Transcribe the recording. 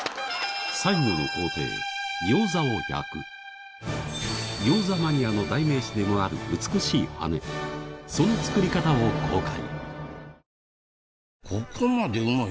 最後の工程餃子マニアの代名詞でもある美しい羽根その作り方を公開